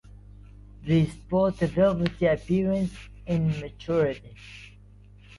They sport a velvety appearance in maturity.